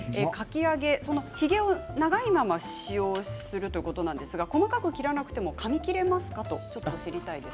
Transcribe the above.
かき揚げ、ヒゲを長いまま使用するということなんですが細かく切らなくてもかみ切れますかときました。